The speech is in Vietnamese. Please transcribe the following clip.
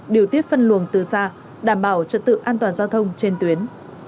điều tiết phân luồng từ xa đảm bảo trật tự an toàn giao thông trên tuyến